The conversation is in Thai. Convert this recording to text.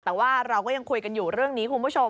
แต่ว่าเราก็ยังคุยกันอยู่เรื่องนี้คุณผู้ชม